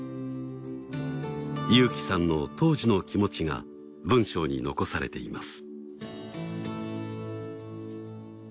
裕樹さんの当時の気持ちが文章に残されています。